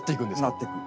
なっていく。